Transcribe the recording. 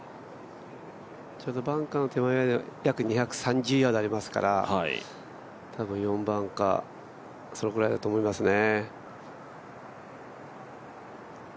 ちょうどバンカーの手前約２３０ヤードありますから、多分４番かそれぐらいだと思いますね。